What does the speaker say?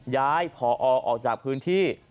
ย้ายผอออกจากพื้นที่